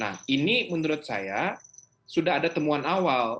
nah ini menurut saya sudah ada temuan awal